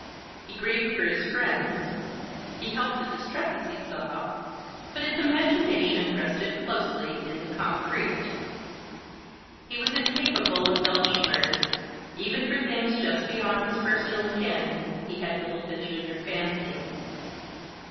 He grieved for his friends, he helped the distresses he saw, but his imagination rested closely in the concrete. He was incapable of weltschmerz; even for things just beyond his personal ken he had little vision or fancy.